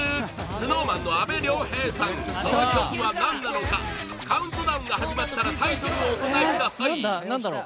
ＳｎｏｗＭａｎ の阿部亮平さんその曲は何なのかカウントダウンが始まったらタイトルをお答えください